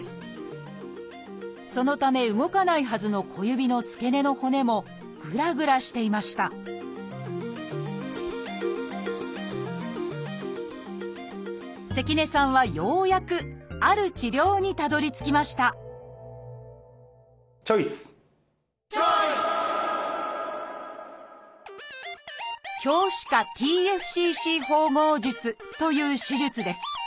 そのため動かないはずの小指の付け根の骨もぐらぐらしていました関根さんはようやくある治療にたどりつきましたチョイス！という手術です。